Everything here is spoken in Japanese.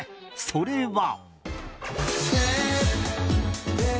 それは。